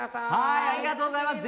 ありがとうございます。